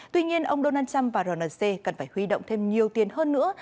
tuy nhiên ông donald trump và rnc cần phải huy động thêm nhiều tiền hơn nữa